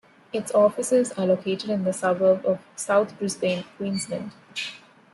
Its offices are located in the suburb of South Brisbane, Queensland.